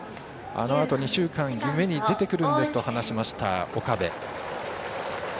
あのあと２週間夢に出てくるんですと話しました岡部。